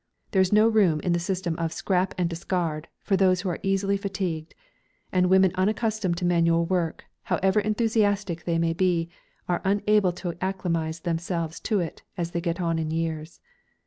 There is no room in the system of "scrap and discard" for those who are easily fatigued; and women unaccustomed to manual work, however enthusiastic they may be, are unable to acclimatise themselves to it as they get on in years.